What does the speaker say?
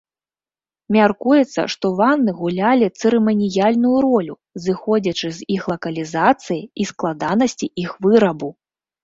Мяркуецца, што ванны гулялі цырыманіяльную ролю, зыходзячы з іх лакалізацыі і складанасці іх вырабу.